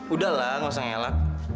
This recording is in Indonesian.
udahlah nggak usah ngelak